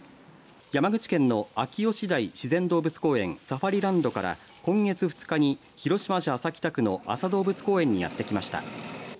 山口県の秋吉台自然動物公園、サファリランドから今月２日に広島市安佐北区の安佐動物公園にやってきました。